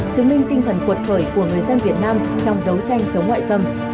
chứng minh tinh thần cuột khởi của người dân việt nam trong đấu tranh chống ngoại xâm